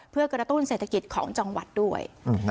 เพื่อกระตุ้นเศรษฐกิจของจังหวัดด้วย